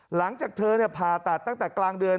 หลังจากเธอผ่าตัดตั้งแต่กลางเดือน